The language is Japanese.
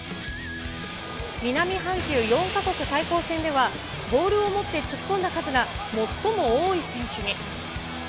南半球４か国対抗戦では、ボールを持って突っ込んだ数が最も多い選手に。